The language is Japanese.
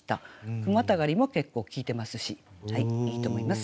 句またがりも結構効いてますしいいと思います。